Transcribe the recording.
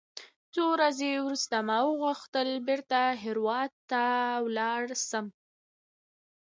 څو ورځې وروسته ما غوښتل بېرته دهراوت ته ولاړ سم.